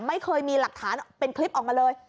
ไม่เคยมีหลักฐานเป็นคลิปออกมาเลย